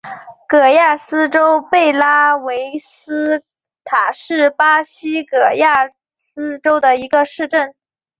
戈亚斯州贝拉维斯塔是巴西戈亚斯州的一个市镇。